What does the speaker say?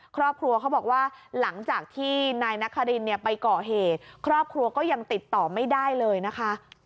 ครอบครัวเขาบอกว่าหลังจากที่นายนครินเนี่ยไปก่อเหตุครอบครัวก็ยังติดต่อไม่ได้เลยนะคะ